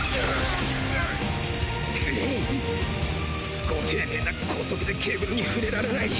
クッご丁寧な拘束でケーブルに触れられない。